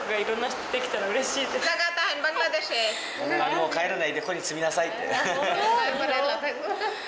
「もう帰らないでここに住みなさい」って。